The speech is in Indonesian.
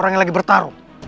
orang yang lagi bertarung